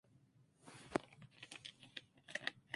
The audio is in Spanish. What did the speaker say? El libro le valdría el Premio Nobel de Literatura.